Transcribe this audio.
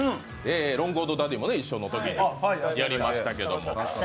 ロングコートダディも一緒のときにやりましたけど。